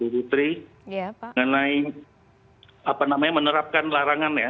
di territory mengenai menerapkan larangan